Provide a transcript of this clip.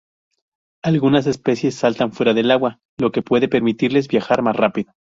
Algunas especies saltan fuera del agua, lo que puede permitirles viajar más rápido.